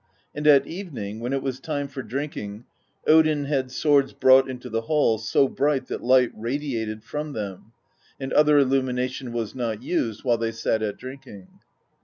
And at evening, when it was time for drinking, Odin had swords brought into the hall, so bright that light radiated from them : and other illumina tion was not used while they sat at drinking.